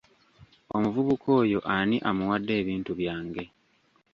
Omuvubuka oyo ani amuwadde ebintu byange.